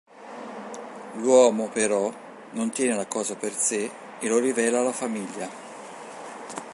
L'uomo, però, non tiene la cosa per sé e lo rivela alla famiglia.